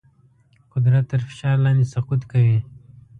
قدرت تر فشار لاندې سقوط کوي.